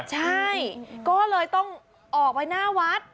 ใช่ก็เลยต้องออกไปหน้าวัด